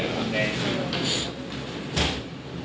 อันแรกก็ไม่รู้